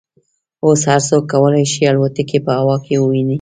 اوس هر څوک کولای شي الوتکې په هوا کې وویني